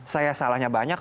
saya salahnya banyak